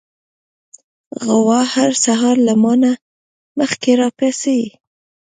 غوا هر سهار له ما نه مخکې راپاڅي.